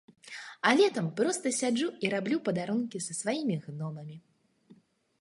А летам проста сяджу і раблю падарункі са сваімі гномамі.